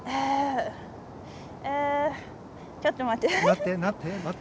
ちょっと待って。